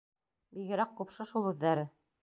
Бигерәк ҡупшы шул үҙҙәре!